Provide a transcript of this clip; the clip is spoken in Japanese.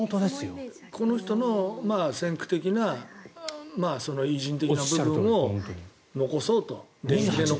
この人の先駆的な偉人的な部分を残そうと。